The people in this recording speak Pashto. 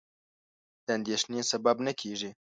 د اندېښنې سبب نه کېږي.